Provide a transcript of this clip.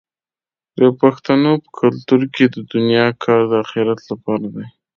د پښتنو په کلتور کې د دنیا کار د اخرت لپاره دی.